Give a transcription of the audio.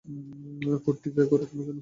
কুট্টি যাই করুক না কেন।